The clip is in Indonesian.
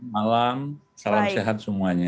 malam salam sehat semuanya